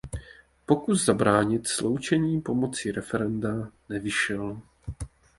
Pokus zabránit sloučení pomocí referenda nevyšel.